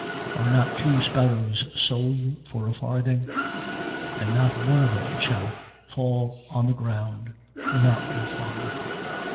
10:29. Are not two sparrows sold for a farthing? and not one of them shall fall on the ground without your Father.